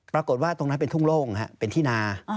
ปรากฏว่าตรงนั้นเป็นทุ่งโล่งเป็นที่นา